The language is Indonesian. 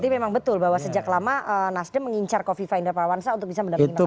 berarti memang betul bahwa sejak lama nasdem mengincar kofifa indra pawansa untuk bisa mendampingi mas anies